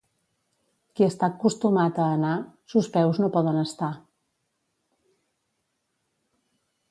Qui està acostumat a anar, sos peus no poden estar.